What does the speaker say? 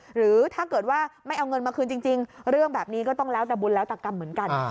หรือถ้าเกิดว่าไม่เอาเงินมาคืนจริงเรื่องแบบนี้ก็ต้องแล้วแต่บุญแล้วแต่กรรมเหมือนกัน